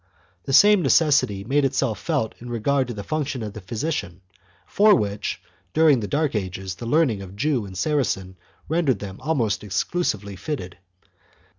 1 The same necessity made itself felt with regard to the function of the physician, for which, during the dark ages, the learning of Jew and Saracen rendered them almost exclusively fitted.